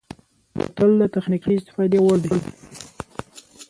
بوتل د تخنیکي استفادې وړ دی.